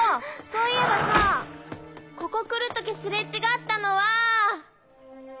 そういえばさここ来る時すれ違ったのは！